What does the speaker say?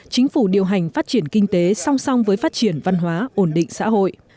chính phủ điều hành phát triển kinh tế song song với phát triển văn hóa ổn định xã hội